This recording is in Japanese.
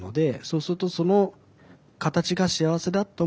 そうするとその形が幸せだと思ってる。